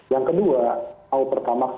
yang kedua mau pertamax